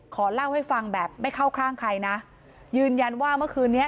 ขอเล่าให้ฟังแบบไม่เข้าข้างใครนะยืนยันว่าเมื่อคืนนี้